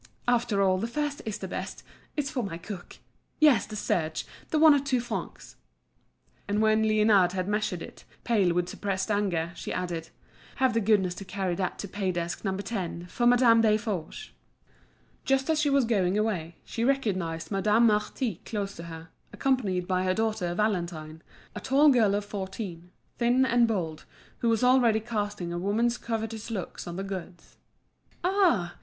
after all, the first is the best; it's for my cook. Yes, the serge, the one at two francs." And when Liénard had measured it, pale with suppressed anger, she added: "Have the goodness to carry that to pay desk No. 10, for Madame Desforges." Just as she was going away, she recognised Madame Marty close to her, accompanied by her daughter Valentine, a tall girl of fourteen, thin and bold, who was already casting a woman's covetous looks on the goods. "Ah!